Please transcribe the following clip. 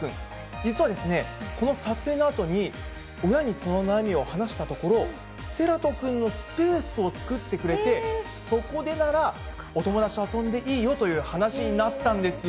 実はこの撮影のあとに、親にその悩みを話したところ、せらと君のスペースを作ってくれて、そこでならお友達と遊んでいいよという話になったんですよ。